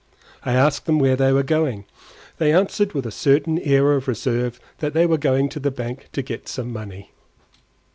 I asked them where they were going. They answered with a certain air of reserve that they were going to the bank to get some money.